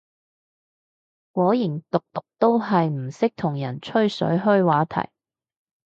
果然毒毒都係唔識同人吹水開話題